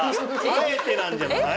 あえてなんじゃない？